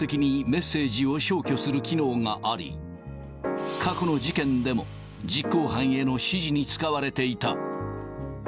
一方的にメッセージを消去する機能があり、過去の事件でも、実行犯への指示に使われていた。